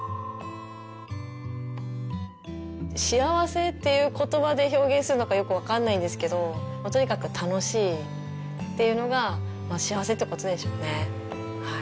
幸せっていうことばで表現するのかよく分かんないんですけど、とにかく楽しいっていうのが幸せということでしょうね。